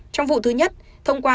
trong vụ thứ nhất thông qua